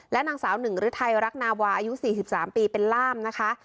นางสาวหนึ่งฤทัยรักนาวาอายุ๔๓ปีเป็นล่ามนะคะ